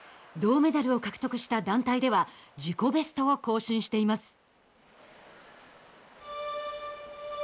銅メダルを獲得した団体では自己ベストを更新しています。